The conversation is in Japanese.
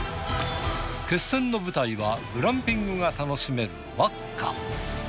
決戦の舞台はグランピングが楽しめるＷＡＫＫＡ。